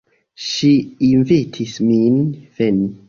Ŝi invitis min veni.